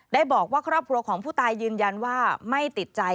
ได้บอกว่าครอบครัวของผู้ตายยืนยันว่าไม่ติดใจ